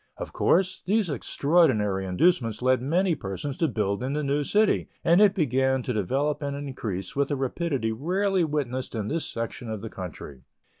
Of course, these extraordinary inducements led many persons to build in the new city, and it began to develop and increase with a rapidity rarely witnessed in this section of the country.